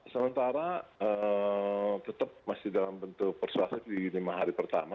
sementara tetap masih dalam bentuk persuasif di lima hari pertama